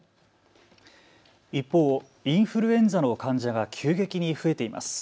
一方、インフルエンザの患者が急激に増えています。